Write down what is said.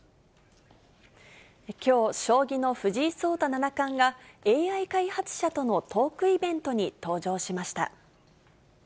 きょう、将棋の藤井聡太七冠が、ＡＩ開発者とのトークイベントに登場しました。